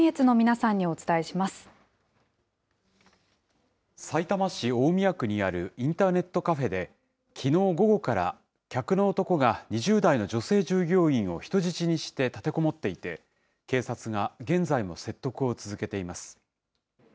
さいたま市大宮区にあるインターネットカフェで、きのう午後から、客の男が２０代の女性従業員を人質にして立てこもっていて、警察が現在も説得を続けています。